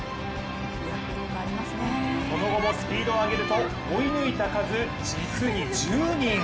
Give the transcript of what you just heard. その後もスピードを上げると、追い抜いた数、実に１０人。